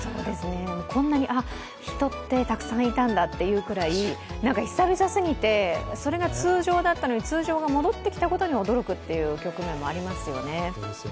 こんなに、あっ、人ってたくさんいたんだってくらい久々すぎて、それが通常だったのに通常が戻ってきたことに驚くっていう、局面もありますよね。